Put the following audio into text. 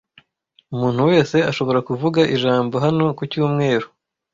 Umuntu wese ashobora kuvuga ijambo hano ku cyumweru.